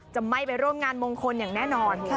จะไม่ไปร่วมงานมงคลอย่างแน่นอน